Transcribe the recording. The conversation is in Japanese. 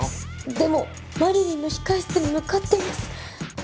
でもマリリンの控え室に向かってます。